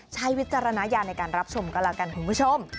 วิจารณญาณในการรับชมกันแล้วกันคุณผู้ชม